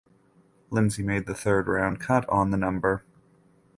Lindsey made the third round cut on the number.